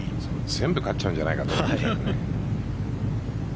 全部勝っちゃうんじゃないかと思った。